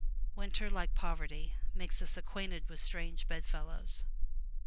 Winter, like poverty, makes us acquainted with strange bedfellows.